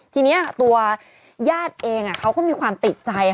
ทีนี้ตัวญาติเองเขาก็มีความติดใจ